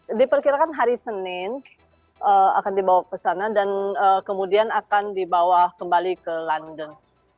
ya diperkirakan hari senin akan dibawa ke sana dan kemudian akan dibawa kembali ke london